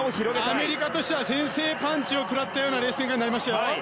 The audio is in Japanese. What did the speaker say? アメリカとしては先制パンチを食らったようなレース展開になりましたよ。